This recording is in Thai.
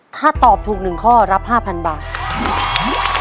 ถ้าตอบถูก๑ข้อรับ๕๐๐บาท